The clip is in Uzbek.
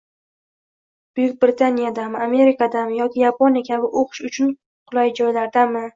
Buyuk Britaniyadami, Amerikadami yoki Yaponiya kabi oʻqish uchun qulay joylardami?